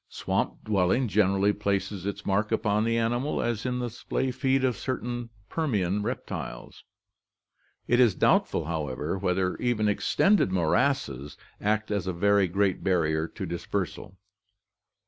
Swamp dwelling generally places its mark upon the animal, as in GEOGRAPHIC DISTRIBUTION 53 the splay feet of certain Permian reptiles. It is doubtful, however, whether even extended morasses act as a very great barrier to dispersal.